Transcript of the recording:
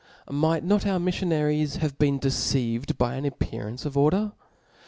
Might not our miflionaries have been deceived by an appearance of order